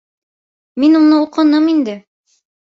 Мин уны уҡыным инде.